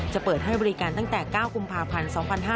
เปิดให้บริการตั้งแต่๙กุมภาพันธ์๒๕๕๙